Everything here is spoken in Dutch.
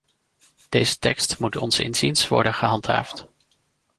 Deze tekst moet ons inziens worden gehandhaafd.